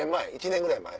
１年ぐらい前？